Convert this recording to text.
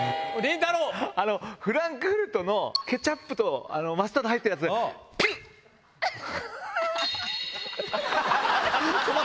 フランクフルトのケチャップとマスタード入ってるやつ、ぴゅっ。